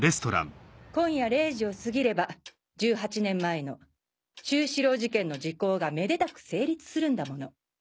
今夜０時を過ぎれば１８年前の愁思郎事件の時効がめでたく成立するんだもの。